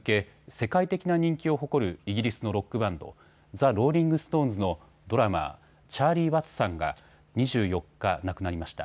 世界的な人気を誇るイギリスのロックバンドザ・ローリング・ストーンズのドラマーチャーリー・ワッツさんが２４日、亡くなりました。